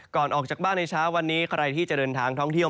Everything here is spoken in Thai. ออกจากบ้านในเช้าวันนี้ใครที่จะเดินทางท่องเที่ยว